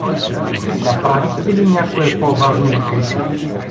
— Направихте ли някое по-важно откритие?